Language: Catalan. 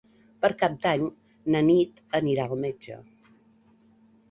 Per Cap d'Any na Nit anirà al metge.